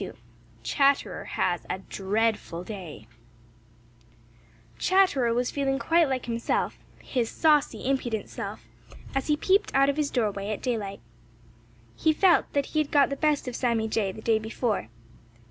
*XXII* *CHATTERER HAS A DREADFUL DAY* Chatterer was feeling quite like himself, his saucy, impudent self, as he peeped out of his doorway at daylight. He felt that he had got the best of Sammy Jay the day before.